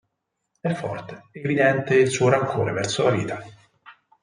È forte e evidente il suo rancore verso la vita.